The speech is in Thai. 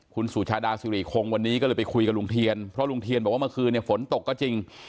คุณสุชาดาสุริคงวันนี้ก็เลยไปคุยกับลุงเทียนเพราะลุงเทียนบอกว่าเมื่อคืนเนี่ยฝนตกก็จริง